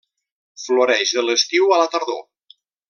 Floreix de l'estiu a la tardor.